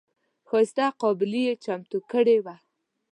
ښایسته قابلي یې چمتو کړې وه.